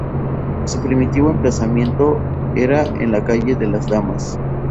Su primitivo emplazamiento era en la "calle de las Damas".